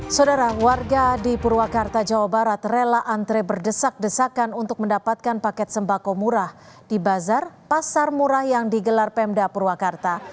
saudara warga di purwakarta jawa barat rela antre berdesak desakan untuk mendapatkan paket sembako murah di bazar pasar murah yang digelar pemda purwakarta